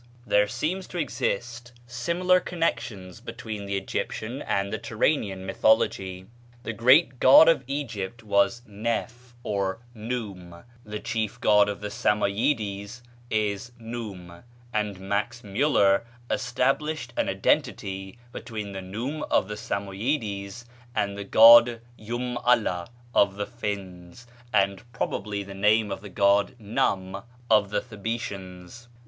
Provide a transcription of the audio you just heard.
There seem to exist similar connections between the Egyptian and the Turanian mythology. The great god of Egypt was Neph or Num; the chief god of the Samoyedes is Num; and Max Müller established an identity between the Num of the Samoyedes and the god Yum ala of the Finns, and probably with the name of the god Nam of the Thibetians.